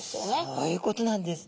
そういうことなんです。